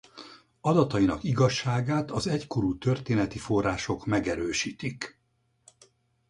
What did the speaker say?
Adatainak igazságát az egykorú történeti források megerősítik.